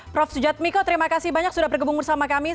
prof sujatmiko terima kasih banyak sudah bergabung bersama kami